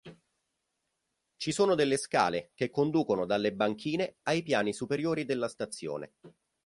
Ci sono delle scale che conducono dalle banchine ai piani superiori della stazione.